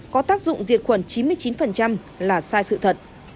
có tác dụng diệt khuẩn chín mươi chín là sai sự thật